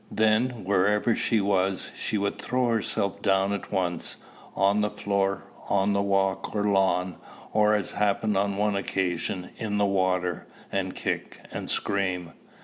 Then, wherever she was, she would throw herself down at once, on the floor, on the walk or lawn, or, as happened on one occasion, in the water, and kick and scream.